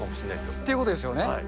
っていうことですよね。